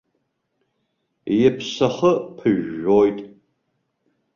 Иԥсахы ԥыжәжәоит.